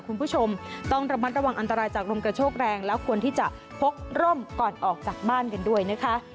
คุณผู้ชมต้องระมัดระวังอันตรายจากลมกระโชกแรงแล้วควรที่จะพกร่มก่อนออกจากบ้านกันด้วยนะคะ